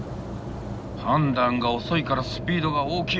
判断が遅いからスピードが大きい。